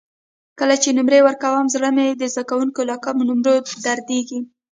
کله چې نمرې ورکوم زړه مې د زده کوونکو له کمو نمرو دردېږي.